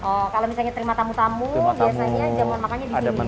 oh kalau misalnya terima tamu tamu biasanya jamuan makannya di sini